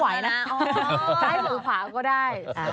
ใช่สูฝาก็ได้